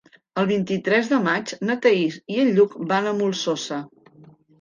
El vint-i-tres de maig na Thaís i en Lluc van a la Molsosa.